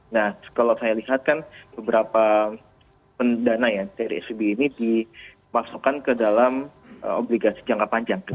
nah kalau saya lihat kan beberapa pendana ya dari svb ini dimasukkan ke dalam obligasi jangka panjang